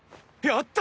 やった！